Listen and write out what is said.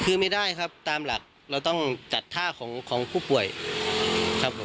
คือไม่ได้ครับตามหลักเราต้องจัดท่าของผู้ป่วยครับผม